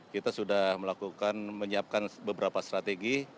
kita sudah melakukan menyiapkan beberapa strategi